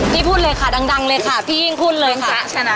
พี่พูดเลยค่ะดังเลยค่ะพี่หญิงพูดเลยค่ะ